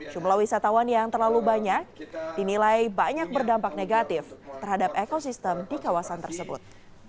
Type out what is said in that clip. jumlah wisatawan yang terlalu banyak dinilai banyak berdampak negatif terhadap ekosistem di kawasan tersebut